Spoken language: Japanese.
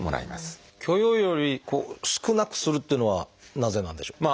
許容量より少なくするっていうのはなぜなんでしょう？